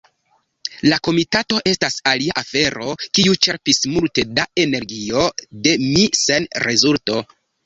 La komitato estas alia afero kiu ĉerpis multe da energio de mi sen rezulto.